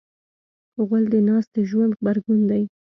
غول د ناستې ژوند غبرګون دی.